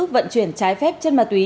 vận chuyển trái phép chất ma túy